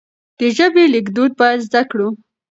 د ژبې ليکدود بايد زده کړو.